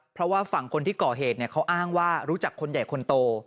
เพราะว่าฝั่งคนที่ก่อเหตุเขาอ้างว่ารู้จักคนใหญ่คนโต